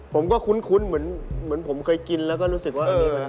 ผมก็คุ้นเหมือนผมเคยกินแล้วก็รู้สึกว่า